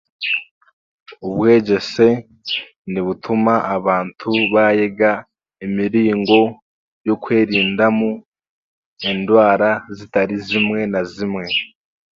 Obwegyese nibutuma abantu baayega emiringo y'okwerindamu endwara zitari zimwe na zimwe